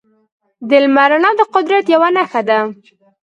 د لمر رڼا د قدرت یوه نښه ده.